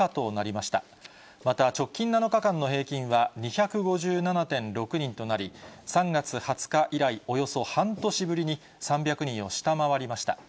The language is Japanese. また、直近７日間の平均は２５７．６人となり、３月２０日以来およそ半年ぶりに３００人を下回りました。